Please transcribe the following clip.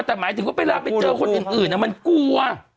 แต่หมายถึงว่าเวลาไปเจอคนอื่นมันกลัว